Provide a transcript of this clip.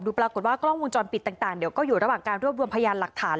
ปรากฏว่ากล้องวงจรปิดต่างเดี๋ยวก็อยู่ระหว่างการรวบรวมพยานหลักฐาน